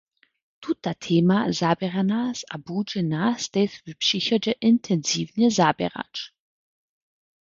Tuta tema zaběra nas a budźe nas tež w přichodźe intensiwnje zaběrać.